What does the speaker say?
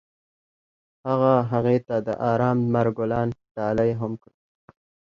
هغه هغې ته د آرام لمر ګلان ډالۍ هم کړل.